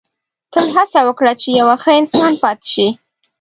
• تل هڅه وکړه چې یو ښه انسان پاتې شې.